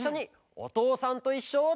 「おとうさんといっしょ」。